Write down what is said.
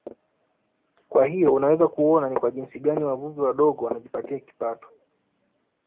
Kwa hiyo unaweza kuona ni kwa jinsi gani wavuvi wadogo wanajipatia kipato